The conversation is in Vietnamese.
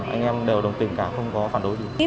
anh em đều đồng tình cả không có phản đối gì